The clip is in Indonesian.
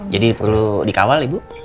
jadi perlu dikawal ibu